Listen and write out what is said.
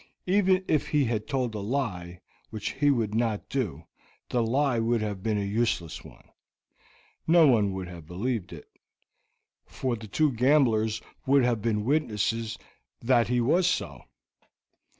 Even if he had told a lie, which he would not do, the lie would have been a useless one. No one would have believed it, for the two gamblers would have been witnesses that he was so.